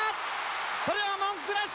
これは文句なし！